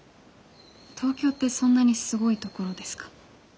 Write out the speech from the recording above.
東京ってそんなにすごい所ですか？